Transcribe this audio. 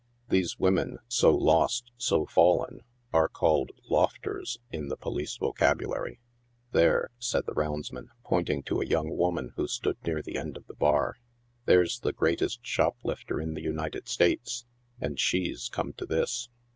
These women so lost, so fallen, are called " lofters" in ike police vocabulary. " There," said the roundsman, pointing to a young woman who stood near the end of the bar ;" There's the greatest shoplifter in the United States, and she's come to this."